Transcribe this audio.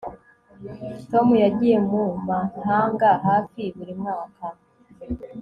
Tom yagiye mu mahanga hafi buri mwaka